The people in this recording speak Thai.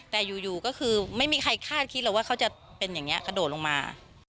แต่อยู่ก็คือไม่มีใครคาดคิดหรอกว่าเขาจะเป็นอย่างนี้กระโดดลงมา